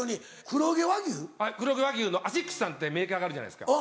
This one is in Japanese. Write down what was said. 黒毛和牛のアシックスさんってメーカーがあるじゃないですか。